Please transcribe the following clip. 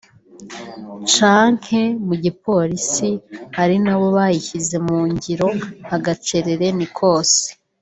canke mu Gipolisi ari na bo bayishize mu ngiro agacerere ni kose